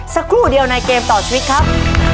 สักครู่เดียวในเกมต่อชีวิตครับ